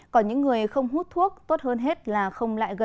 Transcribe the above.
còn những người không hút thuốc tốt hơn hết là không lại hút thuốc